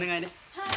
はい。